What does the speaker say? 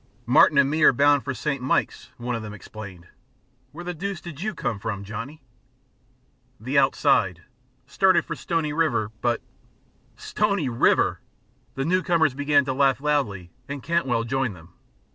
"Martin and me are bound for Saint Mikes," one of them explained. "Where the deuce did you come from, Johnny?" "The 'outside.' Started for Stony River, but " "Stony River!" The newcomers began to laugh loudly and Cantwell joined them.